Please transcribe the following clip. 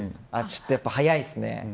ちょっとやっぱ早いですね。